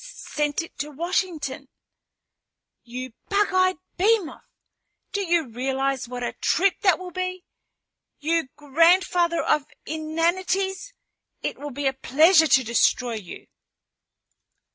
"S sent it to Washington." "You bug eyed behemoth! Do you realize what a trip that will be? You grandfather of inanities, it will be a pleasure to destroy you!"